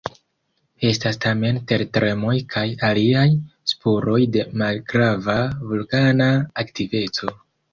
Estas tamen tertremoj kaj aliaj spuroj de malgrava vulkana aktiveco.